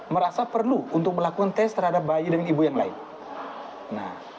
merasa perlu untuk melakukan tes terhadap bayi dengan ibu yang lain